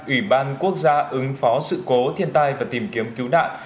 ủy ban quốc gia ứng phó sự cố thiên tai và tìm kiếm cứu nạn